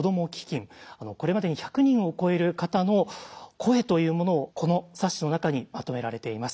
これまでに１００人を超える方の声というものをこの冊子の中にまとめられています。